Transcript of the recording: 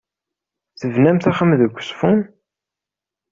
Tebnamt axxam deg Uzeffun?